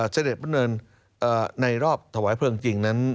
เสด็จพระเมืองในรอบถวายพระเพลิงจริง